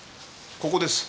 ここです。